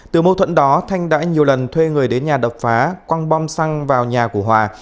từ mâu thuẫn đó thanh đã nhiều lần thuê người đến nhà đập phá băng xăng vào nhà của hòa